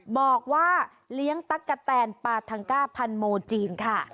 บอกว่าเลี้ยงตั๊กกะแตนปาทังก้าพันโมจีนค่ะ